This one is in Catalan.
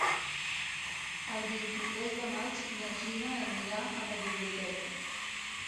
El vint-i-tres de maig na Gina anirà a la biblioteca.